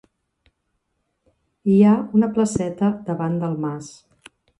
Hi ha una placeta davant del mas.